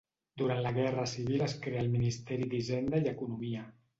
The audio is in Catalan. Durant la Guerra Civil es crea el Ministeri d'Hisenda i Economia.